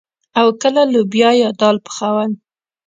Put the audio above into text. او کله لوبيا يا دال پخول.